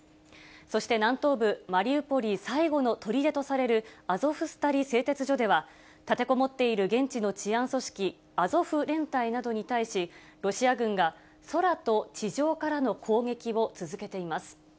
そして南東部マリウポリ最後のとりでとされるアゾフスタリ製鉄所では、立てこもっている現地の治安組織、アゾフ連隊などに対し、ロシア軍が空と地上からの攻撃を続けています。